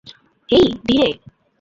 হেই, ধীরে।